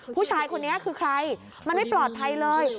ผู้ชายคนนี้คือใครมันไม่ปลอดภัยเลย